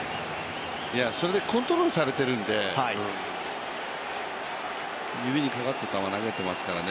それでコントロールされているんで、指にかかった球投げていますからね。